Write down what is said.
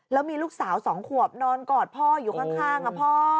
แล้วมีลูกสาว๒ขวบนอนกอดพ่ออยู่ข้างพ่อ